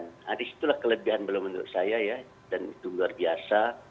nah disitulah kelebihan belum menurut saya ya dan itu luar biasa